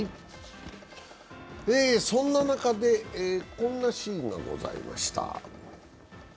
そんな中で、こんなシーンがございました。